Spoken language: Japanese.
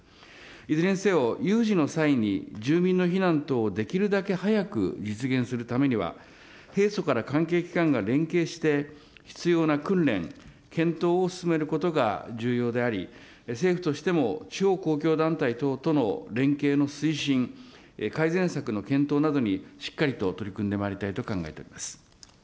いずれにせよ、有事の際に住民の避難等をできるだけ早く実現するためには、平素から関係機関が連携して、必要な訓練、検討を進めることが重要であり、政府としても地方公共団体等との連携の推進、改善策の検討などにしっかりと取り組んでまいりたいと考えております。